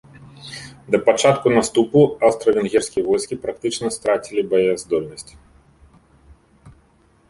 Да пачатку наступу аўстра-венгерскія войскі практычна страцілі баяздольнасць.